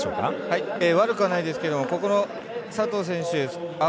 悪くはないですけどここの佐藤選手